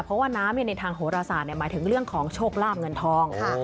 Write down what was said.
เพราะว่าน้ำในทางโหรศาสตร์หมายถึงเรื่องของโชคลาบเงินทอง